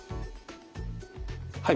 はい。